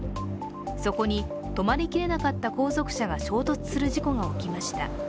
そこに止まりきれなかった後続車が衝突する事故が起きました。